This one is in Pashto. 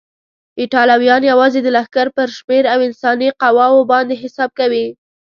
ایټالویان یوازې د لښکر پر شمېر او انساني قواوو باندې حساب کوي.